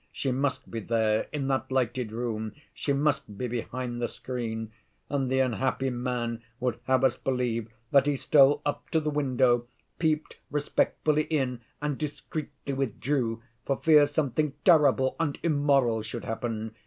She must be there, in that lighted room, she must be behind the screen; and the unhappy man would have us believe that he stole up to the window, peeped respectfully in, and discreetly withdrew, for fear something terrible and immoral should happen.